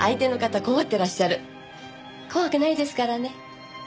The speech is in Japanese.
怖くないですからね。